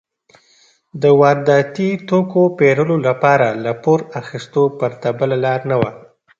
د وارداتي توکو پېرلو لپاره له پور اخیستو پرته بله لار نه وه.